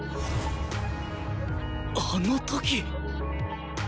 あの時！？